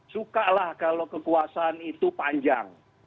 sukalah kalau kekuasaan itu panjang